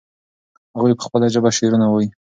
هغوی په خپله ژبه شعرونه وایي.